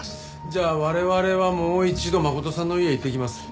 じゃあ我々はもう一度真琴さんの家へ行ってきます。